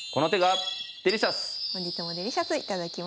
本日もデリシャス頂きました。